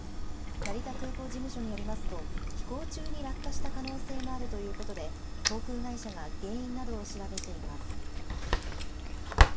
成田空港事務所によりますと、飛行中に落下した可能性もあるということで、航空会社が原因などを調べています。